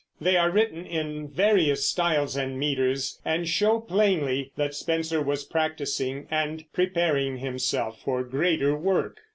They are written in various styles and meters, and show plainly that Spenser was practicing and preparing himself for greater work.